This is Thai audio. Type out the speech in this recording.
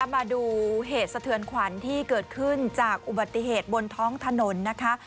มาดูเหตุสะเทือนขวัญที่เกิดขึ้นจากอุบัติเหตุบนท้องถนนนะคะ